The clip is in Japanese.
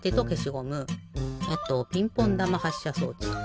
あとピンポンだまはっしゃ装置。